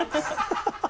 ハハハ